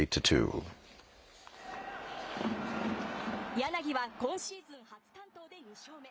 柳は今シーズン初完投で２勝目。